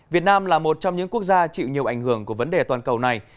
việt nam là một trong những quốc gia chịu nhiều ảnh hưởng của vấn đề toàn cầu này